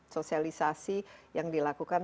sosialisasi yang dilakukan